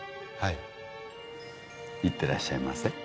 はいいってらっしゃいませ